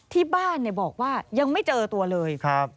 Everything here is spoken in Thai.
ที่บ้านบอกว่ายังไม่เจอตัวเลย